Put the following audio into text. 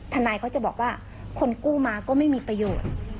ทนายเขาจะบอกว่าคนกู้มาก็ไม่มีประโยชน์